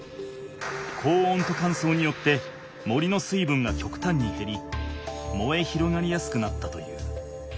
高温とかんそうによって森の水分がきょくたんに減りもえ広がりやすくなったという。